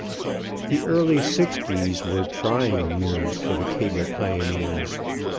The early 'sixties were trying years for the cable pioneers.